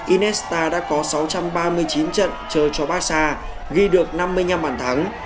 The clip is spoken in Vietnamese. inesta đã có sáu trăm ba mươi chín trận chờ cho barca ghi được năm mươi năm bản thắng